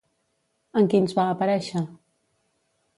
En quins va aparèixer?